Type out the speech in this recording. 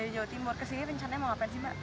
jawa timur kesini rencananya mau apa sih mbak